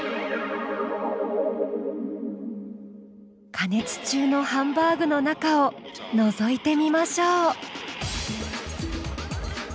加熱中のハンバーグの中をのぞいてみましょう。